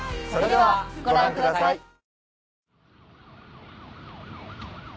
それではご覧ください。